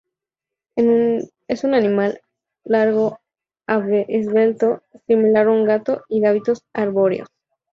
Es un animal, largo, esbelto, similar a un gato y de hábitos arbóreos.